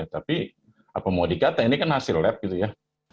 tapi apa mau dikata ini kan hasil lab gitu ya